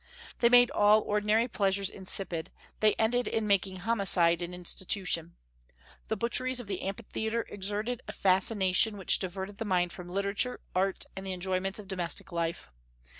They made all ordinary pleasures insipid; they ended in making homicide an institution. The butcheries of the amphitheatre exerted a fascination which diverted the mind from literature, art, and the enjoyments of domestic life.